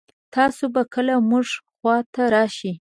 تاسو به کله مونږ خوا ته راشئ